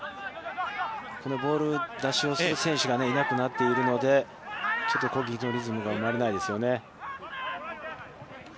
ボール出しをする選手がいなくなっているので、ちょっと攻撃のリズムが生まれないですよね。